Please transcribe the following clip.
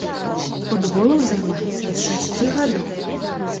Футболам займаецца з шасці гадоў.